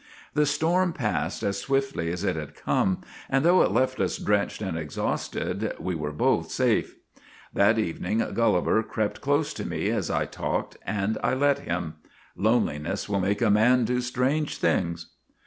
The storm passed as swiftly as it had come, and though it left us drenched and exhausted, we were both safe. That evening Gulliver crept close to me as I talked, and I let him. Loneliness will make a man do strange things.